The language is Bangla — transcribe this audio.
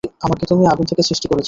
আমাকে তুমি আগুন থেকে সৃষ্টি করেছ।